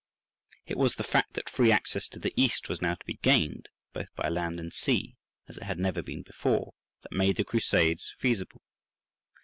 It was the fact that free access to the East was now to be gained, both by land and sea, as it had never been before, that made the Crusades feasible.